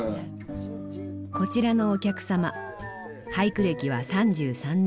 こちらのお客様俳句歴は３３年。